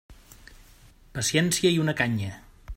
Paciència i una canya.